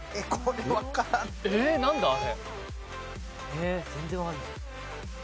えっ全然わかんない。